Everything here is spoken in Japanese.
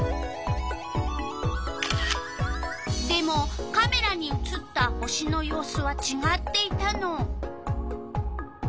でもカメラに写った星の様子はちがっていたの。